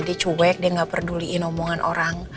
dia cubek dia gak peduliin omongan orang